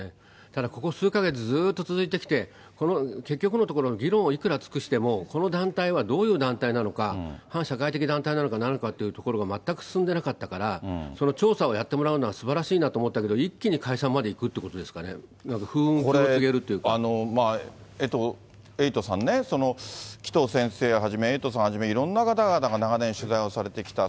ただこの数か月、ずっと続いてきて、結局のところ、議論をいくら尽くしても、この団体はどういう団体なのか、反社会的団体なのかなんなのかというところが全く進んでなかったから、調査をやってもらうのはすばらしいなと思ったけど、一気に解散までいくっていうことですかね、エイトさんね、紀藤先生をはじめ、エイトさんはじめ、いろんな方々が長年取材をされてきた。